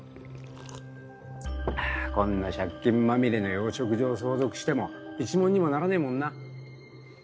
こんな借金まみれの養殖場を相続しても一文にもならねえもんな。